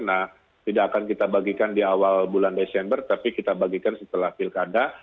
nah tidak akan kita bagikan di awal bulan desember tapi kita bagikan setelah pilkada